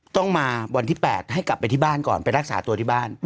ต้องมาวันที่๘ให้กลับไปที่บ้านก่อนไปรักษาตัวที่บ้าน